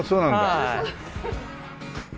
はい。